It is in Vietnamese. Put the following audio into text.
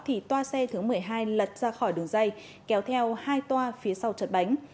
thì toa xe thứ một mươi hai lật ra khỏi đường dây kéo theo hai toa phía sau chật bánh